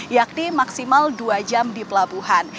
yakni maksimal dua jam di pelabuhan